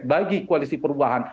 bagi koalisi perubahan